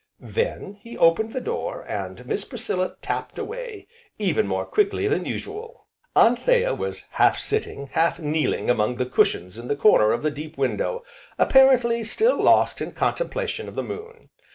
Then he opened the door, and Miss Priscilla tapped away, even more quickly than usual. Anthea was half sitting, half kneeling among the cushions in the corner of the deep window, apparently still lost in contemplation of the moon.